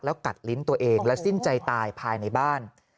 กัดลิ้นตัวเองและสิ้นใจตายภายในบ้าน